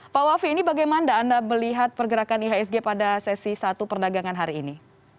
pak wafi ini bagaimana anda melihat pergerakan ihsg pada sesi satu perdagangan hari ini